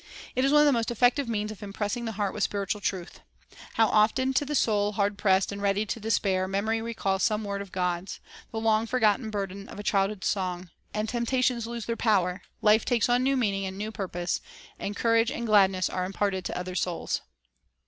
It is one of the most effective means of impressing the heart with spiritual truth. How often to the soul hard pressed and ready to despair, memory recalls some a Menns of worc [ f God's, — the long forgotten burden of a child Education °° hood song, — and temptations lose their power, life takes on new meaning and new purpose, and courage and gladness are imparted to other souls!